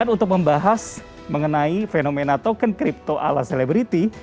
untuk membahas mengenai fenomena token kripto ala selebriti